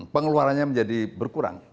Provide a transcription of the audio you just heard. pengeluarannya menjadi berkurang